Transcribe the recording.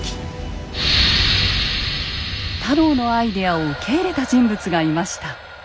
太郎のアイデアを受け入れた人物がいました。